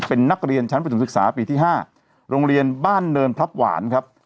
เป็นนักเรียนชั้นประถมศึกษาปีที่๕โรงเรียนบ้านเนินพลับหวานครับ